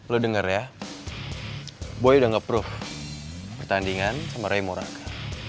lo denger ya gue udah nge proof pertandingan sama ray moraga